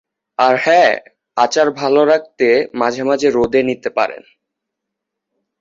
আর হ্যাঁ, আচার ভালো রাখতে মাঝে মাঝে রোদে দিতে পারেন।